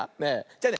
じゃあね